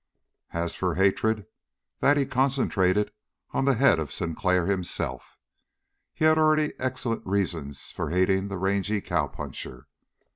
As for hatred, that he concentrated on the head of Sinclair himself. He had already excellent reasons for hating the rangy cowpuncher.